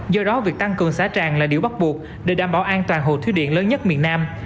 do đó việc tăng cường xả tràn là điều bắt buộc để đảm bảo an toàn hồ thủy điện lớn nhất miền nam